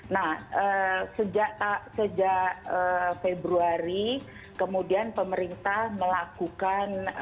nah sejak februari kemudian pemerintah melakukan